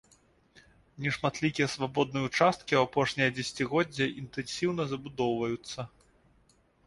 Нешматлікія свабодныя ўчасткі ў апошняе дзесяцігоддзе інтэнсіўна забудоўваюцца.